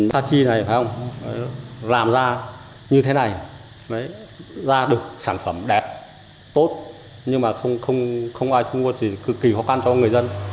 sa chi này làm ra như thế này ra được sản phẩm đẹp tốt nhưng mà không ai chung mua thì cực kỳ khó khăn cho người dân